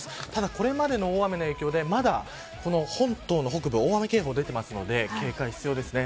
これまでの大雨の影響で本島の北部大雨警報が出てるので警戒が必要です。